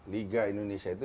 liga indonesia itu